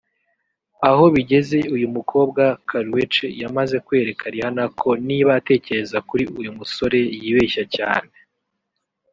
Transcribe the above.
Aho bigeze uyu mukobwa Karrueche yamaze kwereka Rihanna ko niba atekereza kuri uyu musore yibeshya cyane